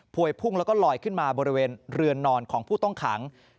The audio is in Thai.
วยพุ่งแล้วก็ลอยขึ้นมาบริเวณเรือนนอนของผู้ต้องขัง